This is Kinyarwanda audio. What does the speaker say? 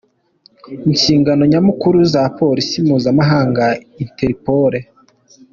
Inshingano nyamukuru za Polisi mpuzamahanga, Interpol.